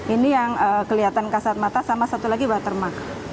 ini yang kelihatan kasat mata sama satu lagi watermark